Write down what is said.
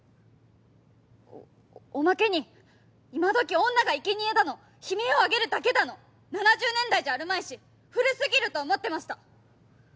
おまけに今どき女がいけにえだの悲鳴を上げるだけだの７０年代じゃあるまいし古過ぎると思ってました。